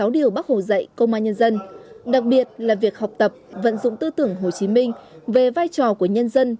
sáu điều bác hồ dạy công an nhân dân đặc biệt là việc học tập vận dụng tư tưởng hồ chí minh về vai trò của nhân dân